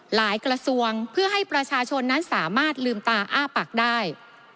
กระทรวงเพื่อให้ประชาชนนั้นสามารถลืมตาอ้าปากได้